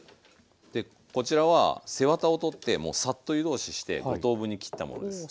こちらは背ワタを取ってもうサッと湯通しして５等分に切ったものです。